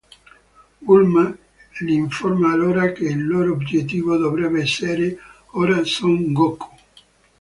Bulma li informa allora che il loro obiettivo dovrebbe essere ora Son Goku.